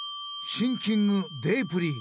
シンキングデープリー。